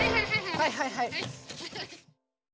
はいはいはい。